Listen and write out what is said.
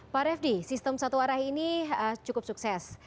pak refdy sistem satu arah ini cukup sukses